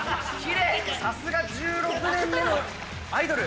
さすが１６年目のアイドル。